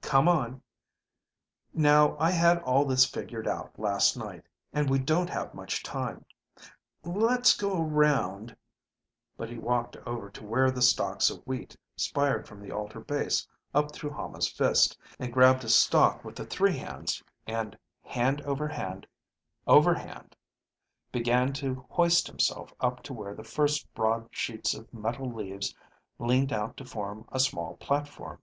"Come on. Now I had all this figured out last night. And we don't have much time. Let's go around ..." But he walked over to where the stalks of wheat spired from the altar base up through Hama's fist, and grabbed a stalk with the three hands, and hand, over hand, over hand, began to hoist himself up to where the first broad sheets of metal leaves leaned out to form a small platform.